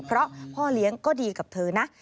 เพราะพ่อเลี้ยงก็ดีกับเธอนะ